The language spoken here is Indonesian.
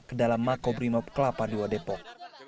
ke dalam mako brimob kelapa dua depok